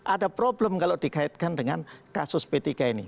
ada problem kalau dikaitkan dengan kasus ptk ini